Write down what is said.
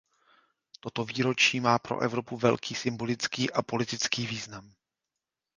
Toto výročí má pro Evropu velký symbolický a politický význam.